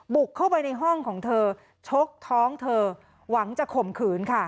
บุกเข้าไปในห้องของเธอชกท้องเธอหวังจะข่มขืนค่ะ